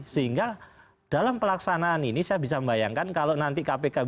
sehingga dalam pelaksanaan ini saya bisa membayangkan kalau nanti kpk bisa